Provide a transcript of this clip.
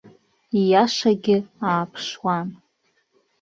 Ииашагьы ааԥшуан.